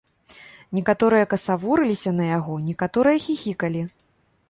Некаторыя касавурыліся на яго, некаторыя хіхікалі.